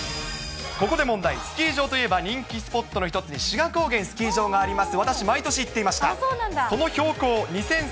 ここで問題、スキー場といえば、人気スポットの一つに志賀高原スキー場があります。